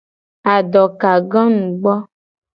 Adokaganugbo.